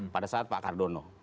pada saat pak cardono